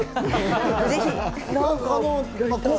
ぜひ。